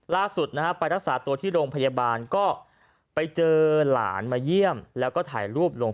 ล่าสุดนะฮะไปรักษาตัวที่โรงพยาบาลก็ไปเจอหลานมาเยี่ยมแล้วก็ถ่ายรูปลง